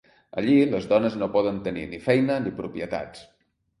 Allí les dones no poden tenir ni feina ni propietats.